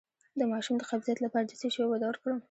د ماشوم د قبضیت لپاره د څه شي اوبه ورکړم؟